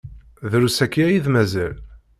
Drus akya i d-mazal.